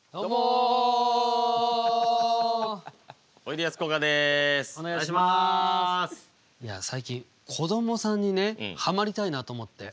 いや最近こどもさんにねはまりたいなと思って。